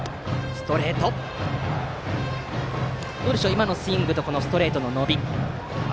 今のスイングとストレートの伸びはどうでしょう。